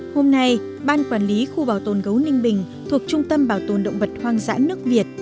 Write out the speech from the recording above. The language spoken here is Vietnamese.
hôm nay ban quản lý khu bảo tồn gấu ninh bình thuộc trung tâm bảo tồn động vật hoang dã nước việt